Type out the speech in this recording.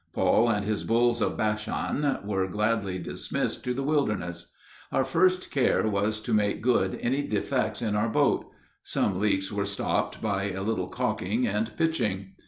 Paul and his bulls of Bashan were gladly dismissed to the wilderness. Our first care was to make good any defects in our boat: some leaks were stopped by a little calking and pitching.